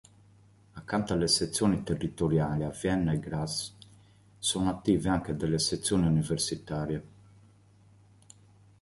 Accanto alle sezioni territoriali, a Vienna e Graz sono attive anche delle sezioni universitarie.